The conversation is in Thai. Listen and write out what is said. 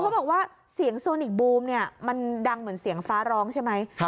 เขาบอกว่าเสียงบูมมันดังเหมือนเสียงฟ้าร้องใช่ไหม